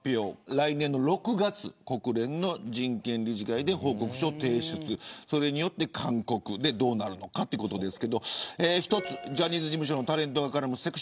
来年の６月、国連の人権理事会で報告書を提出、それによって勧告どうなるかというところです。